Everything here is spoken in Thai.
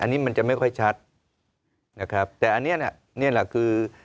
อันนี้มันจะไม่ค่อยชัดนะครับแต่อันนี้น่ะนี่แหละคือ